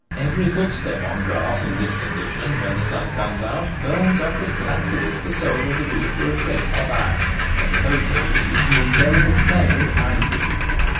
Every footstep on grass in this condition when the sun comes out burns up as black as if the sole of the boot were of red hot iron, and the poacher leaves an indelible trail behind him.